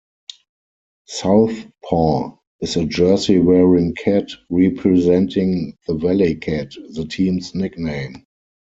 Southpaw is a jersey-wearing cat, representing the "ValleyCat", the team's nickname.